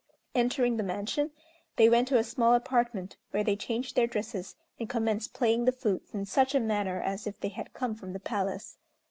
Entering the mansion, they went to a small apartment, where they changed their dresses, and commenced playing the flutes in such a manner as if they had come from the Palace.